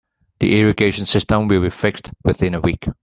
The irrigation system will be fixed within a week.